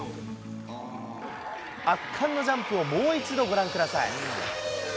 圧巻のジャンプをもう一度ご覧ください。